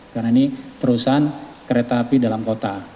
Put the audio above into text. karena ini perusahaan kereta api dalam kota